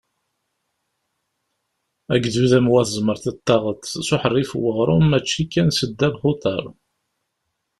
Agdud am wa tzemreḍ ad d-taɣeḍ s uḥerrif n weɣrum, mačči kan s ddabex uḍar.